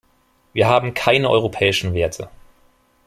Wir haben keine europäischen Werte.